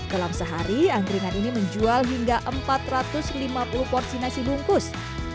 dalam sehari angkringan ini menjual hingga empat ratus lima puluh porsi nasi bungkus